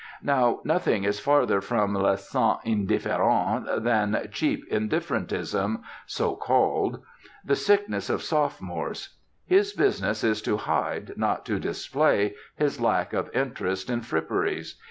Now nothing is farther from le saint indifférent than cheap indifferentism, so called: the sickness of sophomores. His business is to hide, not to display, his lack of interest in fripperies.